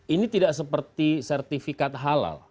ini tidak seperti sertifikat halal